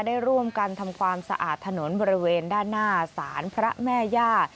ได้ร่วมกันทำความสะอาดถนนบริเวณด้านหน้าศาลพระแม่ย่า